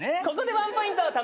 ここでワンポイント。